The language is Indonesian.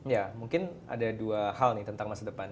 ya mungkin ada dua hal nih tentang masa depan